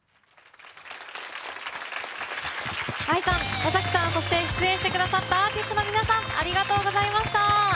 ＡＩさん、尾崎さんそして出演してくださったアーティストの皆さんありがとうございました。